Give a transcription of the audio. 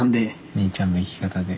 兄ちゃんの生き方で。